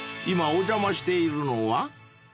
今お邪魔しているのは？］